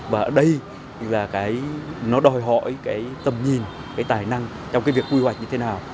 và ở đây nó đòi hỏi tầm nhìn tài năng trong việc quy hoạch như thế nào